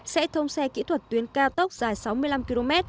sẽ thông xe kỹ thuật tuyến cao tốc dài sáu mươi năm km